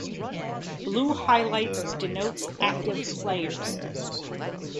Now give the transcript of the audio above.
Blue highlights denotes active players.